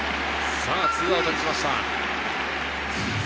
２アウトにしました。